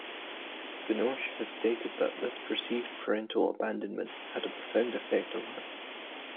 Binoche has stated that this perceived parental abandonment had a profound effect on her.